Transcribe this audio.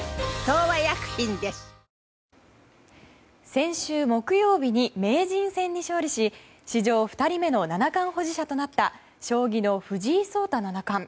先週木曜日に名人戦に勝利し史上２人目の七冠保持者となった将棋の藤井聡太七冠。